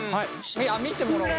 あっ見てもらおう。